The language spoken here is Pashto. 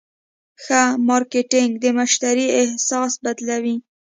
ښه مارکېټنګ د مشتری احساس بدلوي.